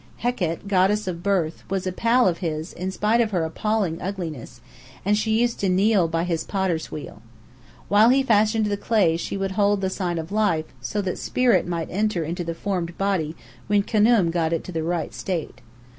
Hekt, goddess of birth, was a pal of his, in spite of her appalling ugliness; and she used to kneel by his potter's wheel. While he fashioned the clay she would hold the Sign of Life, so that spirit might enter into the formed body when Khnum got it to the right state.